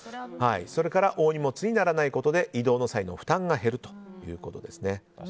それから大荷物にならないことで移動の際の負担が減るということです。